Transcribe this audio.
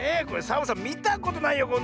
これサボさんみたことないよ